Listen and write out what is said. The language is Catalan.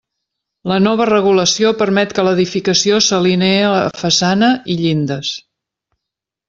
La nova regulació permet que l'edificació s'alinee a façana i llindes.